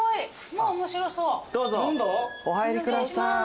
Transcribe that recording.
どうぞお入りください。